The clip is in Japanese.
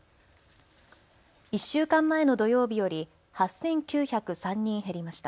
１週間前の土曜日より８９０３人減りました。